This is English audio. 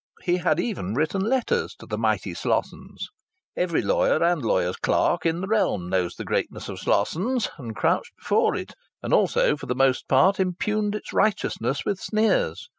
He had even written letters to the mighty Slossons. Every lawyer and lawyer's clerk in the realm knew the greatness of Slossons, and crouched before it, and also, for the most part, impugned its righteousness with sneers.